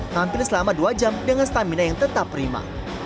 hampir selama dua jam dengan stamina yang tetap prima